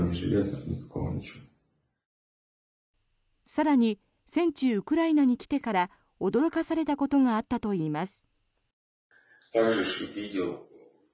更に戦地、ウクライナに来てから驚かされたことがあったといいます。